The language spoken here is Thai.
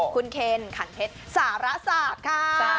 คุณเคนขันเพชรสารศาสตร์ค่ะ